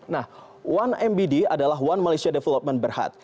nah satu mbd adalah one malaysia development berhad